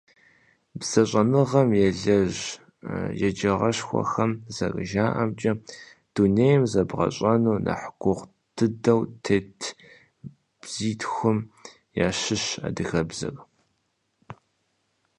БзэщӀэныгъэм елэжь еджагъэшхуэхэм зэрыжаӀэмкӀэ, дунейм зэбгъэщӀэну нэхъ гугъу дыдэу тет бзитхум ящыщщ адыгэбзэр.